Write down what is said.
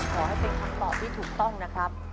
ขอให้เป็นคำตอบที่ถูกต้องนะครับ